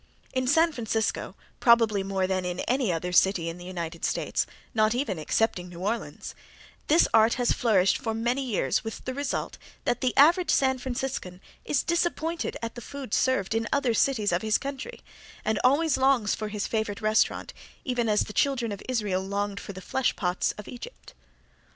In San Francisco probably more than in any other city in the United States, not even excepting New Orleans, this art has flourished for many years with the result that the average San Franciscan is disappointed at the food served in other cities of his country, and always longs for his favorite restaurant even as the children of Israel longed for the flesh pots of Egypt.